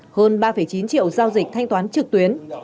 hơn ba chín triệu giao dịch thanh toán trực tuyến